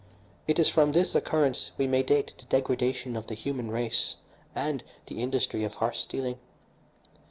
It is from this occurrence we may date the degradation of the human race and the industry of horse stealing.